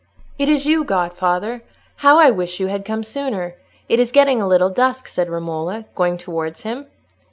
"It is you, godfather! How I wish you had come sooner! it is getting a little dusk," said Romola, going towards him.